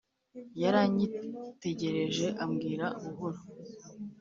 yaranyitegereje ambwira buhoro,